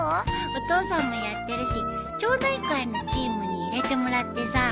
お父さんもやってるし町内会のチームに入れてもらってさ。